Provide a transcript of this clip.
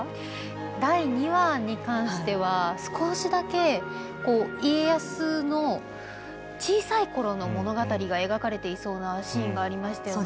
第２話に関しては少しだけ、家康の小さいころの物語が描かれていそうなシーンがありましたよね。